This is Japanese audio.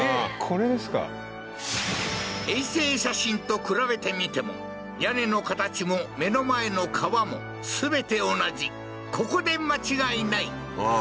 これですか衛星写真と比べてみても屋根の形も目の前の川も全て同じここで間違いないあ